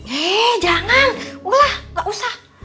hei jangan ulah gak usah